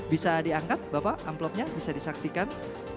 bisa diangkat bapak amplopnya bisa disaksikan